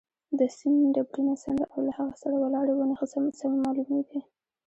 د سیند ډبرینه څنډه او له هغې سره ولاړې ونې ښه سمې معلومېدې.